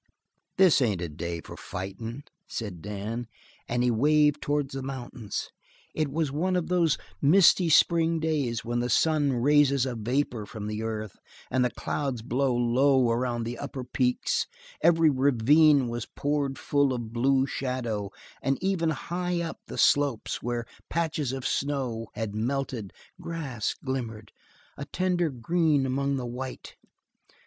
"This ain't a day for fightin'," said Dan, and he waved towards the mountains. It was one of those misty spring days when the sun raises a vapor from the earth and the clouds blow low around the upper peaks; every ravine was poured full of blue shadow, and even high up the slopes, where patches of snow had melted, grass glimmered, a tender green among the white.